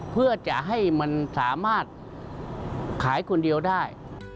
เพื่อจะให้มันสามารถขายคนเดียวได้